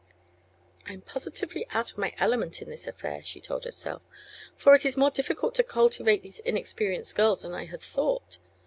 "I am positively out of my element in this affair," she told herself, "for it is more difficult to cultivate these inexperienced girls than I had thought.